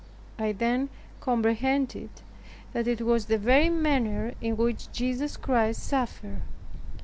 I then comprehended that it was the very manner in which Jesus Christ suffered.